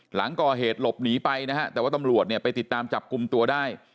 หลังก่อเหตุหลบหนีไปนะฮะแต่ว่าตำรวจเนี่ยไปติดตามจับกลุ่มตัวได้